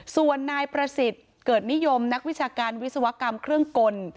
ส่วนนายประสิทธิ์เกิดนิยมนักวิชาการวิศวกรรมเครื่องกล